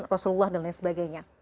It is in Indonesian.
rasulullah dan lain sebagainya